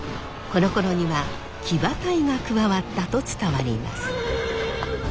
このころには騎馬隊が加わったと伝わります。